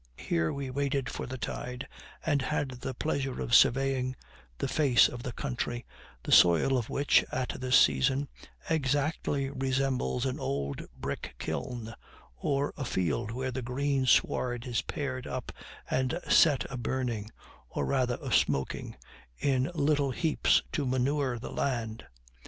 Here we waited for the tide, and had the pleasure of surveying the face of the country, the soil of which, at this season, exactly resembles an old brick kiln, or a field where the green sward is pared up and set a burning, or rather a smoking, in little heaps to manure the land.